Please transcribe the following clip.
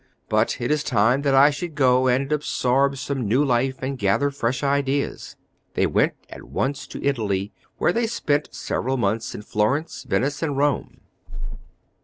But it is time that I should go, and absorb some new life and gather fresh ideas." They went at once to Italy, where they spent several months in Florence, Venice, and Rome.